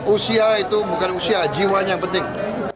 usia itu bukan usia jiwanya yang penting